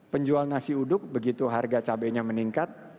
penjual nasi uduk begitu harga cabainya meningkat